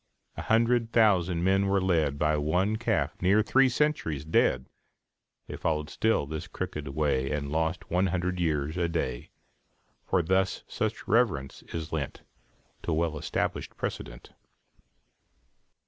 A hundred thousand men were led By one calf near three centuries dead. They followed still his crooked way, And lost one hundred years a day; For thus such reverence is lent To well established precedent.